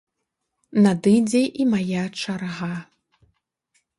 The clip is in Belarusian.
Надыдзе і мая чарга.